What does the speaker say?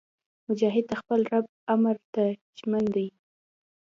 مجاهد د خپل رب امر ته ژمن دی.